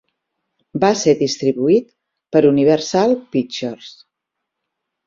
Va ser distribuït per Universal Pictures.